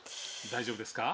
大丈夫ですか？